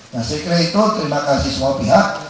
nah saya kira itu terima kasih semua pihak